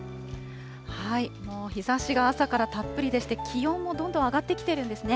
もう日ざしが朝からたっぷりでして、気温もどんどん上がってきているんですね。